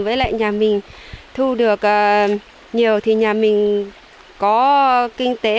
với lại nhà mình thu được nhiều thì nhà mình có kinh tế